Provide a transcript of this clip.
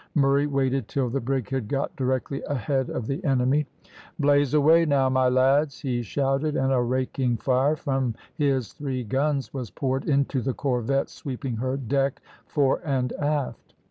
Murray waited till the brig had got directly ahead of the enemy. "Blaze away, now, my lads," he shouted, and a raking fire from his three guns was poured into the corvette, sweeping her deck fore and aft.